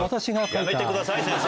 やめてください先生